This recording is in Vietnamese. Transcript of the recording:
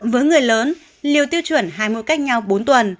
với người lớn liều tiêu chuẩn hai mỗi cách nhau bốn tuần